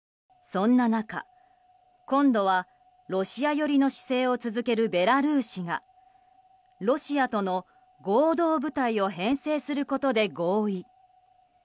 そんな中、今度はロシア寄りの姿勢を続けるベラルーシがロシアとの合同部隊を編成することで合意。